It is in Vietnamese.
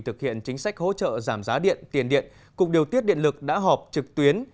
thực hiện chính sách hỗ trợ giảm giá điện tiền điện cục điều tiết điện lực đã họp trực tuyến